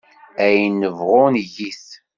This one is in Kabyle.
Ayen nebɣu neg-it.